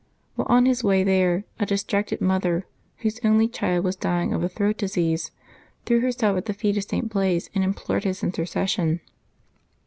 While on his way there, a distracted mother, whose only child was dying of a throat disease, threw herself at the feet of St. Blase and implored his intercession.